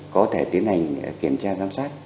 có thể tiến hành kiểm tra sám sát